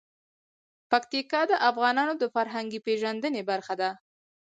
پکتیکا د افغانانو د فرهنګي پیژندنې برخه ده.